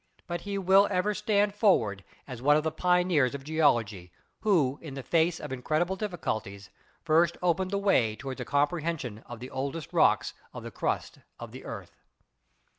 But he will ever stand forward as one of the pioneers of Geology, who in the face of incred ible difficulties first opened the way toward a comprehen sion of the oldest rocks of the crust of the earth.